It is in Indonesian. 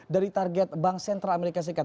dari target bank sentral amerika serikat